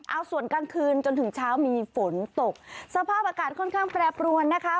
เอาส่วนกลางคืนจนถึงเช้ามีฝนตกสภาพอากาศค่อนข้างแปรปรวนนะคะ